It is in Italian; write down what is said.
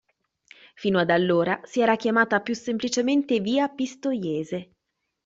Fino ad allora si era chiamata più semplicemente via Pistoiese.